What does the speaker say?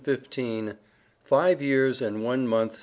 IN ALL FIVE YEARS AND ONE MONTH.